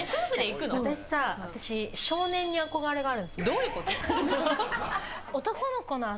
私、少年に憧れがある。